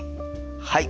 はい。